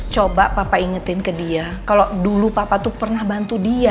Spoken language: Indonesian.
coba papa ingetin ke dia kalau dulu papa tuh pernah bantu dia